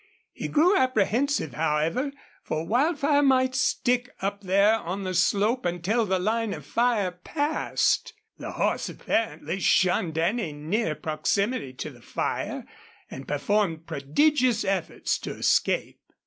He grew apprehensive, however, for Wildfire might stick up there on the slope until the line of fire passed. The horse apparently shunned any near proximity to the fire, and performed prodigious efforts to escape.